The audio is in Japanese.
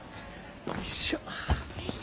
よいしょ。